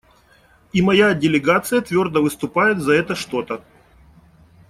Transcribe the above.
И моя делегация твердо выступает за это что-то.